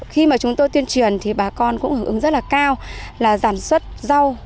khi mà chúng tôi tuyên truyền thì bà con cũng hưởng ứng rất là cao là sản xuất rau